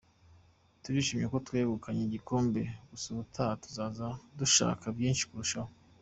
Turishimye ko twegukanye igikombe gusa ubutaha tuzaza duashaka byinshi kurushaho.